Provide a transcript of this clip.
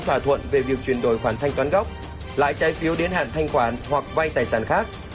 thỏa thuận về việc chuyển đổi khoản thanh toán gốc lại trái phiếu đến hạn thanh khoản hoặc vay tài sản khác